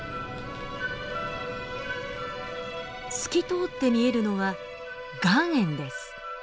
透き通って見えるのは岩塩です。